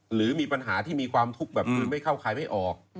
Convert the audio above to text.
หรือมีปัญหาที่มีความทุกข์แบบคือไม่เข้าใครไม่ออก